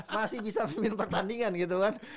masih bisa memimpin pertandingan gitu kan